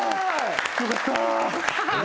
よかったぁ。